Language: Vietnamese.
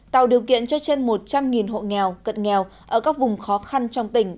tạo điều kiện cho trên một trăm linh hộ nghèo cận nghèo ở các vùng khó khăn trong tỉnh